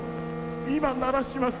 今鳴らします。